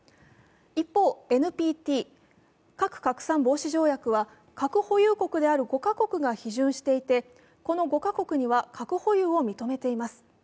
一方、ＮＰＴ＝核拡散防止条約は核保有国である５カ国が批准していて、この５か国には核保有を認めています。